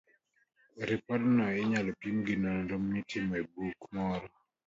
Ripodno inyalo pim gi nonro mitimo e buk moro